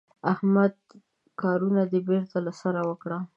احمده کارونه دې بېرته له سره وکړه.